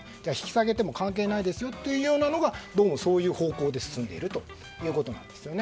引き下げでも関係ないというのがどうもそういう方向で進んでいるということです。